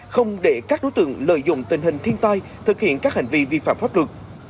không để các đối tượng lợi dụng tình hình thiên tai thực hiện các hành vi vi phạm pháp luật